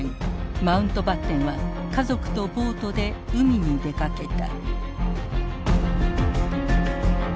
マウントバッテンは家族とボートで海に出かけた。